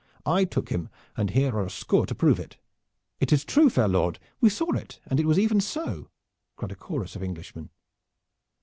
I took him, and here are a score to prove it." "It is true, fair lord. We saw it and it was even so," cried a chorus of Englishmen.